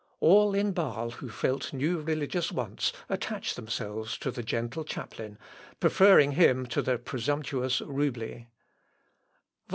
All in Bâle who felt new religious wants attached themselves to the gentle chaplain, preferring him to the presumptuous Roubli.